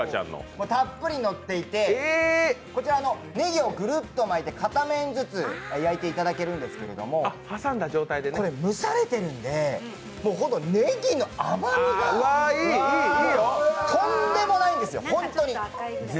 たっぷりのっていてこちら、ねぎをぐるっと巻いて片面ずつ焼いていただけるんですけどこれ、蒸されてるんで、ねぎの甘みが、とんでもないんですよ、ホントに。